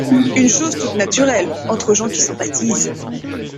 Une chose toute naturelle… entre gens qui sympathisent…